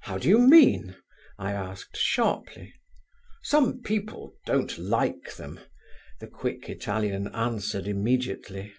"How do you mean?" I asked sharply. "Some people don't like them," the quick Italian answered immediately.